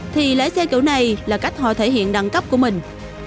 thì lấy xe cũ này là cách họ thể hiện đẳng cấp của mình